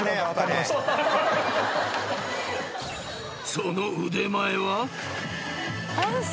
［その腕前は］